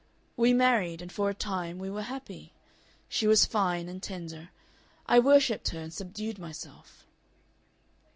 We married, and for a time we were happy. She was fine and tender. I worshipped her and subdued myself."